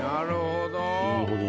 なるほど。